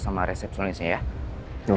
ya mereka pukul abis semua